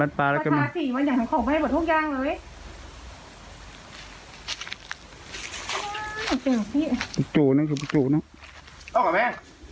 อยากของให้พวกยางเลย